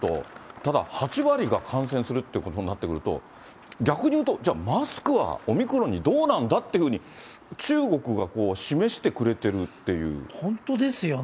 ただ、８割が感染するってことになってくると、逆にいうと、じゃあマスクはオミクロンにどうなんだっていうふうに、中国が示本当ですよね。